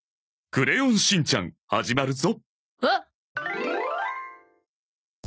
『クレヨンしんちゃん』始まるぞ。